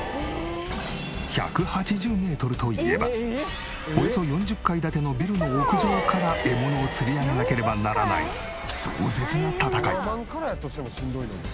１８０メートルといえばおよそ４０階建てのビルの屋上から獲物を釣り上げなければならない壮絶な戦い。